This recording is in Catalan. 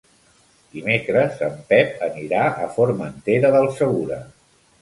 Dimecres en Pep anirà a Formentera del Segura.